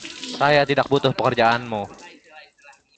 Saya tidak butuh pekerjaanmu.